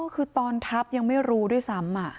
คือตอนทับยังไม่รู้ด้วยซ้ำ